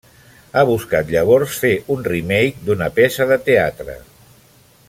Ha buscat llavors fer un remake, d'una peça de teatre.